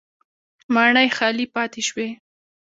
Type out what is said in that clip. ماڼۍ خالي پاتې شوې